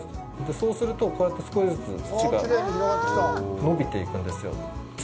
そうすると、こうやって少しずつ土が延びていくんですよ。